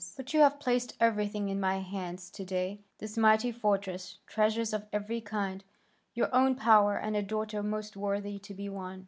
But you have placed everything in my hands to day, this mighty fortress, treasures of every kind, your own power, and a daughter most worthy to be won.